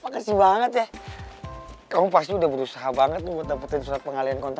makasih banget ya kamu pasti udah berusaha banget buat dapetin surat pengalian kontra